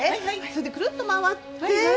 それでくるっと回って。